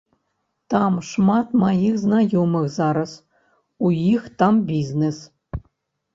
Там шмат маіх знаёмых зараз, у іх там бізнэс.